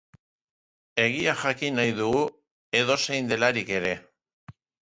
Egia jakin nahi dugu, edozein delarik ere.